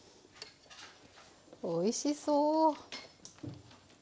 おいしそう！